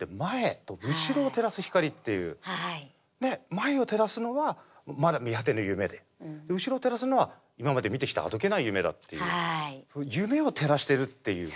前を照らすのはまだ見果てぬ夢で後ろを照らすのは今まで見てきたあどけない夢だっていう夢を照らしてるっていう。